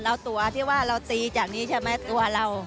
แล้วตัวที่ว่าเราตีจากนี้ใช่ไหมตัวเรา